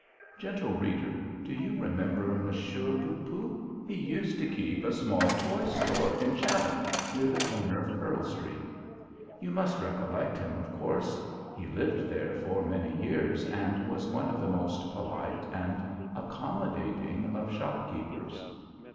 Gentle reader, do you remember Monsieur Poopoo? He used to keep a small toy store in Chatham, near the corner of Pearl Street. You must recollect him, of course. He lived there for many years, and was one of the most polite and accommodating of shopkeepers.